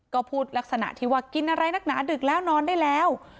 ก็พูดลักษณะที่ว่ากินอะไรนักหนาดึกแล้วนอนได้แล้ว